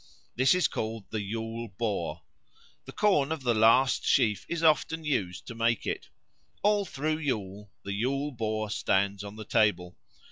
This is called the Yule Boar. The corn of the last sheaf is often used to make it. All through Yule the Yule Boar stands on the table.